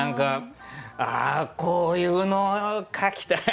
ああこういうの書きたいな。